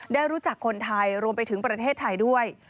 ได้รู้จักคนไทยรวมไปถึงประเทศไทยด้วย